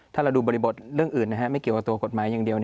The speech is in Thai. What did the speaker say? ถ้าเราดูบริบทเรื่องอื่นไม่เกี่ยวกับตัวกฎหมายอย่างเดียว